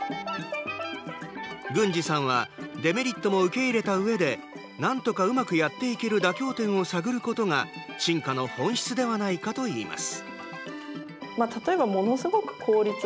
郡司さんはデメリットも受け入れたうえでなんとかうまくやっていける妥協点を探ることが進化の本質ではないかといいます。